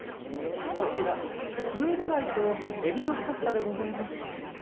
こちらムール貝と海老のパスタでございます。